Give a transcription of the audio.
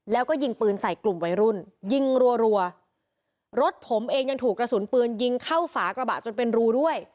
แล้วก็ยิงปืนใส่กลุ่มวัยรุ่นยิงรัวรถผมเองยังถูกกระสุนปืนยิงเข้าฝากระบะจนเป็นรูด้วย